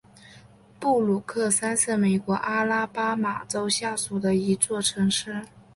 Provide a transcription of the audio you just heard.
布鲁克山是美国阿拉巴马州下属的一座城市。